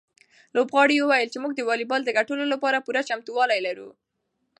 لوبغاړي وویل چې موږ د واليبال د ګټلو لپاره پوره چمتووالی لرو.